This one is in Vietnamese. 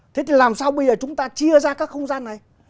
thế thì làm sao bây giờ chúng ta chia ra các không gian này